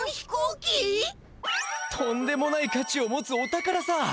とんでもないかちを持つお宝さ！